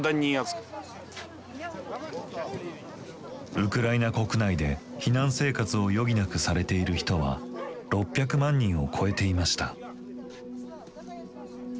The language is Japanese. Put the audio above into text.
ウクライナ国内で避難生活を余儀なくされている人は６００万人を超えていました。